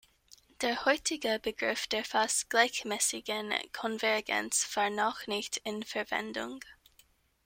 Der heutige Begriff der fast gleichmäßigen Konvergenz war noch nicht in Verwendung.